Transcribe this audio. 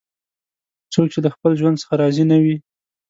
څوک چې له خپل ژوند څخه راضي نه وي